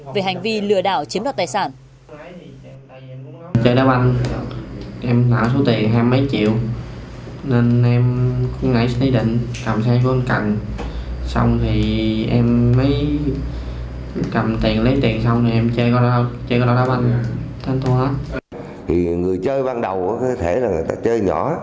về hành vi lừa đảo chiếm đoạt tài sản